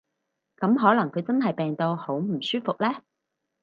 噉可能佢真係病到好唔舒服呢